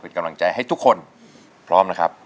เป็นกำลังใจให้ทุกคนพร้อมนะครับ